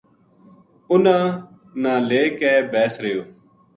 اُنھاں نا لے کے بیس رہیو